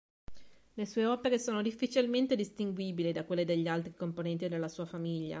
Le sue opere sono difficilmente distinguibili da quelle degli altri componenti della sua famiglia.